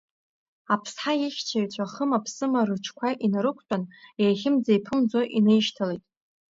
Аԥсҳа ихьчаҩцәа хыма-ԥсыма рыҽқәа инарқәтәан, еихьымӡа-еиԥымӡо инаишьҭалт.